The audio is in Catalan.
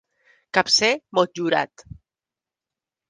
Capcer motllurat.